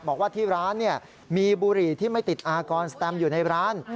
บอกว่าที่ร้านมีบุหรี่ที่ไม่ติดอากรสแตมอยู่ในร้าน